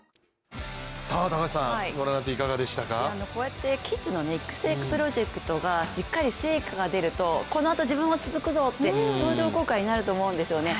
こうやってキッズの育成プロジェクトがしっかり成果が出るとこのあと自分も続くぞと相乗効果になると思うんですね。